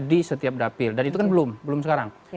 di setiap dapil dan itu kan belum belum sekarang